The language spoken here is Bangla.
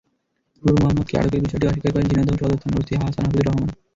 নুর মোহাম্মদকে আটকের বিষয়টি অস্বীকার করেন ঝিনাইদহ সদর থানার ওসি হাসান হাফিজুর রহমান।